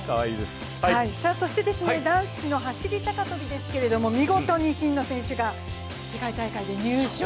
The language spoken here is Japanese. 男子の走高跳ですけれども、見事に真野選手が世界大会で入賞。